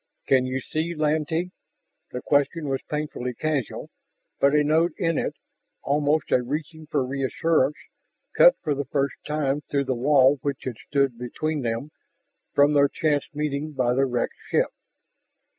"Can you see, Lantee?" The question was painfully casual, but a note in it, almost a reaching for reassurance, cut for the first time through the wall which had stood between them from their chance meeting by the wrecked ship.